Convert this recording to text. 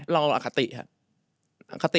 เราอคติ